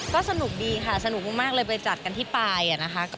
ก็สนุกดีค่ะสนุกมากเลยไปจัดกันที่ปลายนะคะ